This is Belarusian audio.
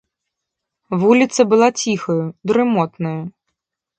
Вуліца была ціхаю, дрымотнаю.